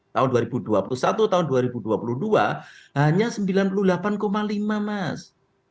tahun dua ribu dua puluh satu tahun dua ribu dua puluh dua hanya sembilan puluh delapan lima mas